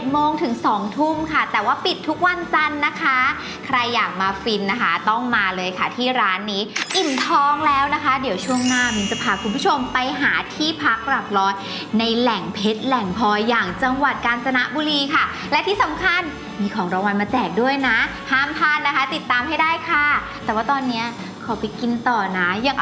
โมงถึง๒ทุ่มค่ะแต่ว่าปิดทุกวันจันทร์นะคะใครอยากมาฟินนะคะต้องมาเลยค่ะที่ร้านนี้อิ่มท้องแล้วนะคะเดี๋ยวช่วงหน้ามินจะพาคุณผู้ชมไปหาที่พักหลักร้อยในแหล่งเพชรแหล่งพออย่างจังหวัดกาญจนบุรีค่ะและที่สำคัญมีของรางวัลมาแจกด้วยนะห้ามพลาดนะคะติดตามให้ได้ค่ะแต่ว่าตอนเนี้ยขอไปกินต่อนะยัง